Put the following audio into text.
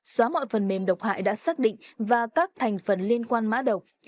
xóa mọi phần mềm độc hại đã xác định và các thành phần liên quan mã độc